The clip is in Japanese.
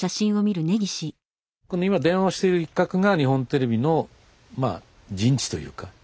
この今電話している一角が日本テレビの陣地というか。